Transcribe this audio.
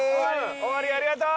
終わり、ありがとう。